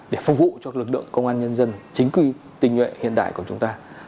để phục vụ cho lực lượng công an nhân dân chính quy tình nguyện hiện đại của chúng ta